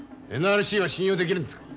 ＮＲＣは信用できるんですか？